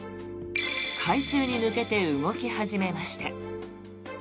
開通に向けて動き始めました。